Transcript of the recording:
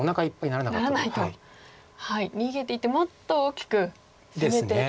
ならないと逃げていってもっと大きく攻めていくぞと。